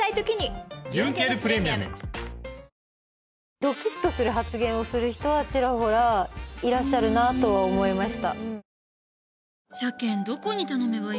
ドキッとする発言をする人はちらほらいらっしゃるなとは思いました。